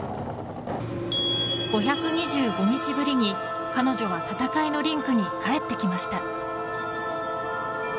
５２５日ぶりに彼女は戦いのリンクに帰ってきました。